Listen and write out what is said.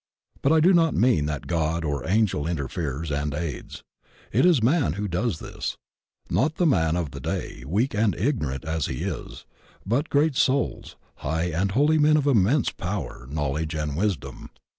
But I do not mean that God or angel interferes and aids. It is Man who does this. Not the man of the day, weak and ignorant as he is, but great souls, hi^ and holy men of immense power, knowledge and wis dom.